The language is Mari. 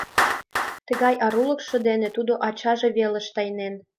Тыгай арулыкшо дене тудо ачаже велыш тайнен.